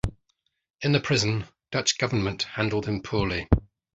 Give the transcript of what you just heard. In the prison, Dutch government handled him poorly.